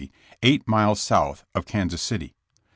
eight miles south of Kansas City.